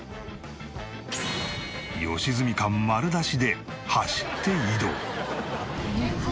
良純感丸出しで走って移動。